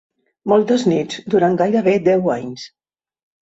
Moltes nits durant gairebé deu anys.